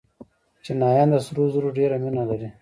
چینایان د سرو زرو ډېره مینه لري.